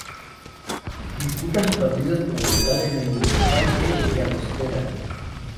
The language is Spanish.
Disputa sus partidos como local en el Municipal de Llagostera.